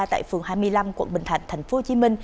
tại phường hai mươi năm quận bình thạnh tp hcm